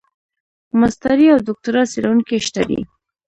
ماسټري او دوکتورا څېړونکي شته دي.